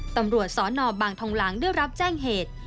ตำรวจสนบางทองหลังได้รับแจ้งเหตุ